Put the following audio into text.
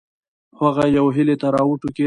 هغه یوې هیلې ته راوټوکېده.